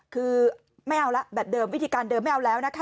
คือไม่เอาแล้วแบบเดิมวิธีการเดิมไม่เอาแล้วนะคะ